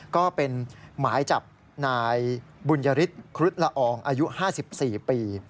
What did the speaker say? ก็เป็นหมายจับนายบุญยฤทธิครุฑละอองอายุ๕๔ปี